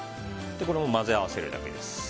これも混ぜ合わせるだけです。